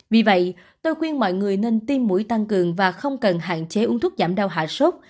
vì vậy tôi khuyên mọi người nên tiêm mũi tăng cường và không cần hạn chế uống thuốc giảm đau hạ sốt